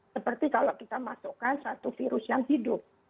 seperti kalau kita masukkan satu virus yang hidup